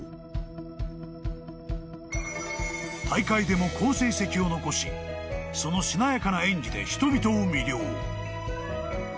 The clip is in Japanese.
［大会でも好成績を残しそのしなやかな演技で人々を魅了］